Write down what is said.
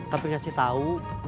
tapi kasih tau